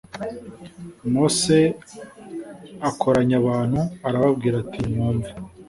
Mose akoranya abantu arababwira ati nimwumve